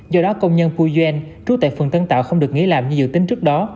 do đó công nhân pujen trú tại phường tân tạo không được nghỉ làm như dự tính trước đó